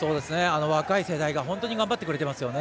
若い世代が本当に頑張ってくれてますよね。